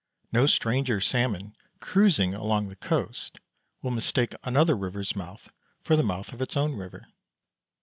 No stranger salmon cruising along the coast will mistake another river's mouth for the mouth of its own river.